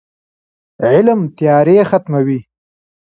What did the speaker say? علم تیارې ختموي.